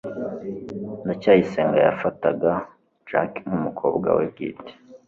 ndacyayisenga yafataga jaki nk'umukobwa we bwite